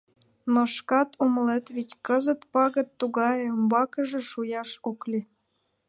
Но шкат умылет вет: кызыт пагыт тугае — умбакыже шуяш ок лий.